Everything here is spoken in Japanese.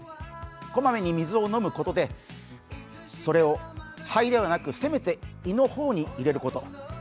こまめに水を飲むことでそれを肺ではなくせめて胃の方に入れること。